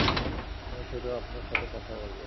আমি শুধু আপনার সাথে কথা বলব।